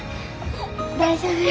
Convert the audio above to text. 大丈夫よ。